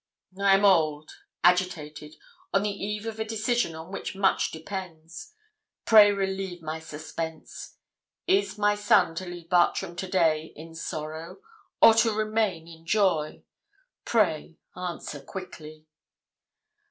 'I am old agitated on the eve of a decision on which much depends. Pray relieve my suspense. Is my son to leave Bartram to day in sorrow, or to remain in joy? Pray answer quickly.'